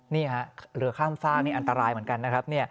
นี่ฮะเรือข้ามฝากนี่อันตรายเหมือนกันนะครับ